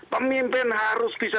pemimpin harus bisa